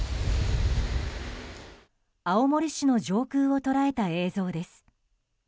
青森市の上空を捉えた映像です。